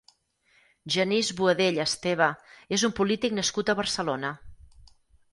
Genís Boadella Esteve és un polític nascut a Barcelona.